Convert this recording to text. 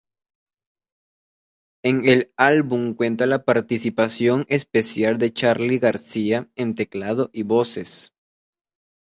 En el álbum cuenta la participación especial de Charly García en teclado y voces.